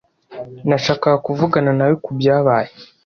Nashakaga kuvugana nawe kubyabaye.